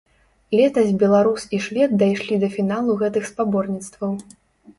Летась беларус і швед дайшлі да фіналу гэтых спаборніцтваў.